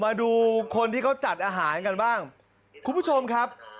มาดูคนที่เขาจัดอาหารกันบ้างคุณผู้ชมครับ